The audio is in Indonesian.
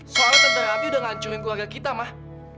soalnya tante ranti udah ngacurin keluarga kita mah